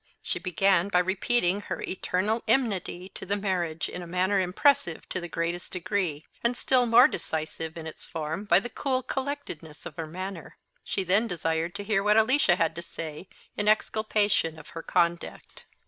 She began by repeating her eternal enmity to the marriage in a manner impressive to the greatest degree, and still more decisive in its form by the cool collectedness of her manner. She then desired to hear what Alicia had to say in exculpation of her conduct.